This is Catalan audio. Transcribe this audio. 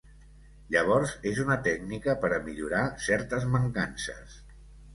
Llavors, és una tècnica per a millorar certes mancances.